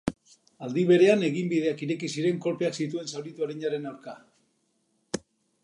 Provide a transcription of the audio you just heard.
Aldi berean, eginbideak ireki ziren kolpeak zituen zauritu arinaren aurka.